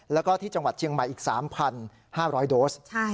แล้วก็ที่จังหวัดเชียงใหม่อีก๓๕๐๐โดส